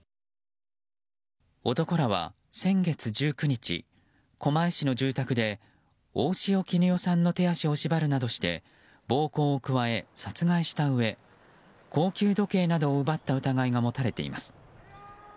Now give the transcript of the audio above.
男らは先月１９日狛江市の住宅で大塩衣与さんの手足を縛るなどして暴行を加え、殺害したうえ高級時計などを奪った疑いが持たれています。